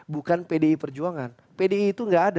bukan pdi perjuangan pdi itu nggak ada